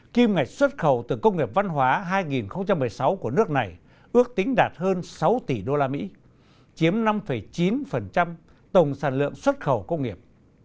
kim ngạch xuất khẩu từ công nghiệp văn hóa hai nghìn một mươi sáu của nước này ước tính đạt hơn sáu tỷ usd chiếm năm chín tổng sản lượng xuất khẩu công nghiệp